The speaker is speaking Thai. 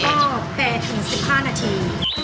ต้องแปลถึงสิบห้านาที